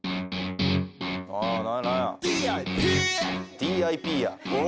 ＤＩＰや。